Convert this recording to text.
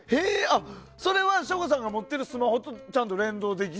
それは省吾さんが持っているスマホとちゃんと連動できる？